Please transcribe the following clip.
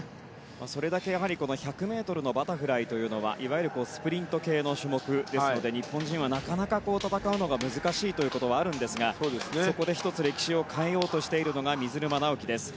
それだけ１００ｍのバタフライはいわゆるスプリント系の種目ですので日本人はなかなか戦うのが難しいということがあるんですがそこで１つ歴史を変えようとしているのが水沼尚輝です。